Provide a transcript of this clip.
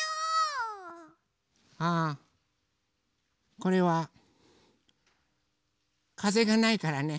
ああこれはかぜがないからね。